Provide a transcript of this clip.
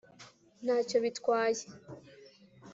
nta cyo bitwaye.